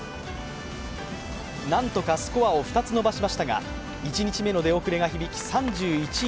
なんとかスコアを２つ伸ばしましたが１日目の出遅れが響き３１位